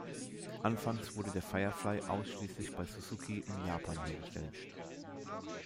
Anfangs wurde der Firefly ausschließlich bei Suzuki in Japan hergestellt.